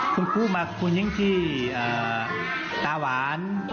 คุณครูมากคุณยิ่งที่เอ่อตาหวาน